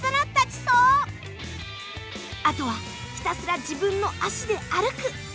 あとはひたすら自分の足で歩く。